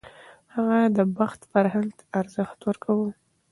هغه د بحث فرهنګ ته ارزښت ورکاوه.